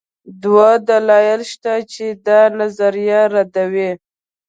دوه دلایل شته چې دا نظریه ردوي